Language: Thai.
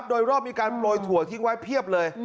โดยรอบมีการโปรยถั่วทิ้งไว้เพียบเลย